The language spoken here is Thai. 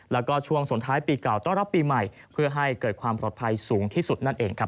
และช่วงส่วนท้ายปีเก่าต้องรับปีใหม่เพื่อให้เกิดความปลอดภัยสูงที่สุด